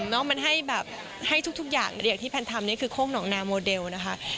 น้องมันให้แบบให้ทุกอย่างอย่างที่แพนทำนี่คือโคกหนองนาโมเดลนะคะ